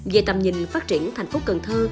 về tầm nhìn phát triển thành phố cần thơ